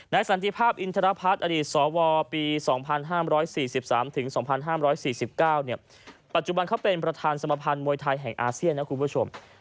สันติภาพอินทรพัฒน์อดีตสวปี๒๕๔๓๒๕๔๙ปัจจุบันเขาเป็นประธานสมภัณฑ์มวยไทยแห่งอาเซียนนะคุณผู้ชม